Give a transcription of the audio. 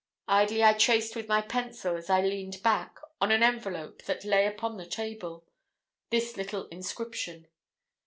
Idly I traced with my pencil, as I leaned back, on an envelope that lay upon the table, this little inscription.